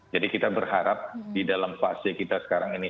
jadi kita berharap di dalam fase kita sekarang ini